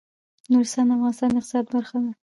نورستان د افغانستان د اقتصاد برخه ده.